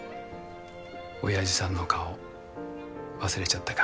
おやじさんの顔忘れちゃったか？